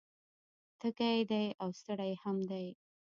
تږی دی او ستړی هم دی